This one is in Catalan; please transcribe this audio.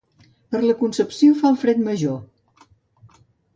Per la Concepció fa el fred major.